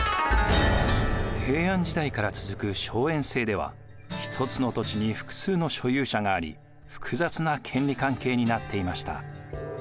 平安時代から続く荘園制では一つの土地に複数の所有者があり複雑な権利関係になっていました。